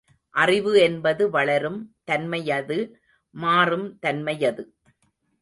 அறிவு என்பது வளரும் தன்மையது மாறும் தன்மையது.